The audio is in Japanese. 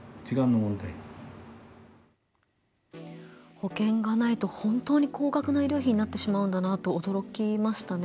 保険がないと本当に高額な医療費になってしまうと驚きましたね。